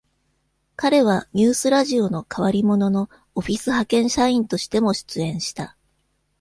彼は「ニュースラジオ」の「変わり者」のオフィス派遣社員としても出演した。